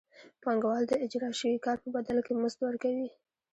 پانګوال د اجراء شوي کار په بدل کې مزد ورکوي